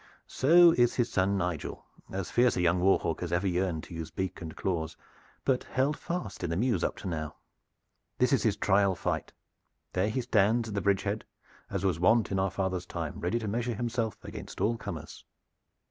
"So is his son Nigel, as fierce a young war hawk as ever yearned to use beak and claws; but held fast in the mews up to now. This is his trial fight. There he stands at the bridge head, as was the wont in our fathers' time, ready to measure himself against all comers."